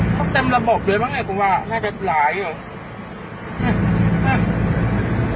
เขาเต็มระบบด้วยมั้งเนี่ยผมว่าน่าจะหลายอยู่